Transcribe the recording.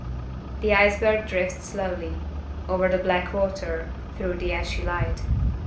The iceberg drifts slowly over the black water; through the ashy light.